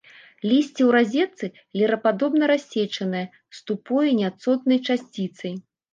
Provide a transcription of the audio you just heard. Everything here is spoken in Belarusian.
Лісце ў разетцы, лірападобна-рассечанае, з тупой няцотнай часціцай.